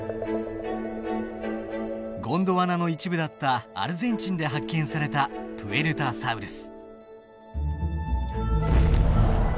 ゴンドワナの一部だったアルゼンチンで発見されたプエルタサウルス。